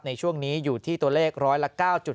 ในช่วงนี้อยู่ที่ตัวเลขร้อยละ๙๗